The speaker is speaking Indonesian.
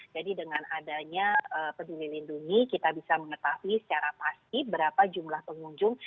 dengan adanya peduli lindungi kita bisa mengetahui secara pasti berapa jumlah pengunjung